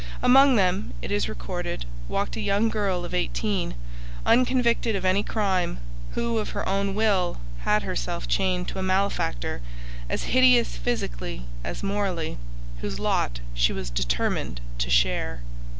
Among them, it is recorded, walked a young girl of eighteen, unconvicted of any crime, who of her own will had herself chained to a malefactor, as hideous physically as morally, whose lot she was determined to share.